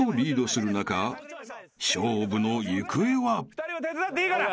２人も手伝っていいから。